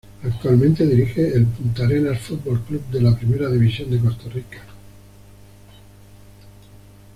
Actualmente dirige al Puntarenas Fútbol Club de la Primera División de Costa Rica.